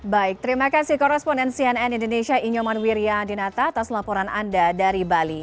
baik terima kasih koresponen cnn indonesia inyoman wiryadinata atas laporan anda dari bali